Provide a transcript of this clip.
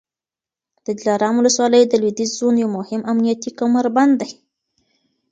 د دلارام ولسوالي د لوېدیځ زون یو مهم امنیتي کمربند دی